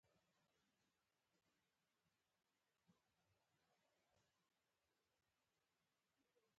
د علامه رشاد لیکنی هنر مهم دی ځکه چې کنایوي پیغامونه لري.